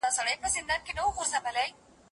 شعر د نفس لغت ګڼل کېږي.